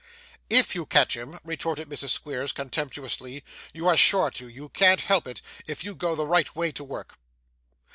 'IF you catch him,' retorted Mrs. Squeers, contemptuously; 'you are sure to; you can't help it, if you go the right way to work.